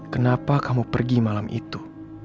kenapa kamu pergi malam itu